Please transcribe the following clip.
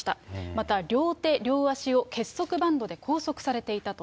また、両手両足を結束バンドで拘束されていたと。